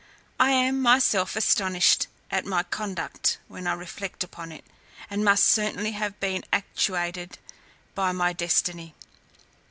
I am, myself, astonished at my conduct when I reflect upon it, and must certainly have been actuated by my destiny.